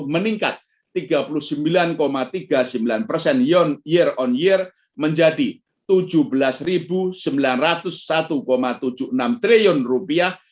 meningkat tiga puluh sembilan tiga puluh sembilan persen year on year menjadi tujuh belas sembilan ratus satu tujuh puluh enam triliun rupiah